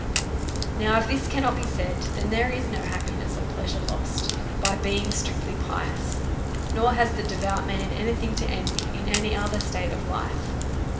Now, if this cannot be said, then there is no happi ness or pleasure lost by being strictly pious, nor has the devout man any thing to envy in any other state of life.